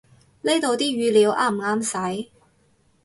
呢度啲語料啱唔啱使